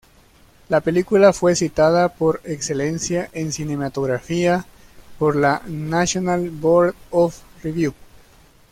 La película fue citada por Excelencia en Cinematografía por la "National Board of Review".